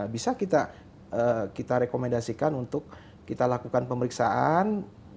bisa kita rekomendasikan untuk kita lakukan pemeriksaan